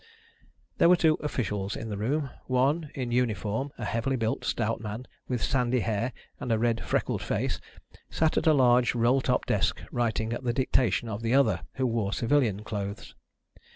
There were two officials in the room. One, in uniform, a heavily built stout man with sandy hair and a red freckled face, sat at a large roll top desk writing at the dictation of the other, who wore civilian clothes.